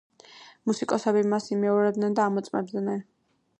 მუსიკოსები მას იმეორებდნენ და ამოწმებდნენ.